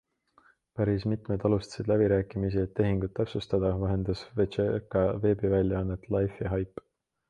Päris mitmed alustasid läbirääkimisi, et tehingut täpsustada, vahendas Vecherka veebiväljaannet Life ja HYPE.